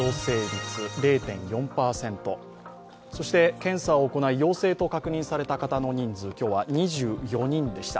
検査を行い陽性と確認された方の人数、今日は２４人でした。